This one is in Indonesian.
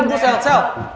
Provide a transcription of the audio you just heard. tunggu sel sel